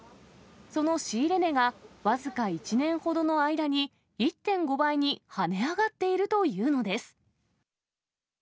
その仕入れ値が、僅か１年ほどの間に１．５倍に跳ね上がっているというのです。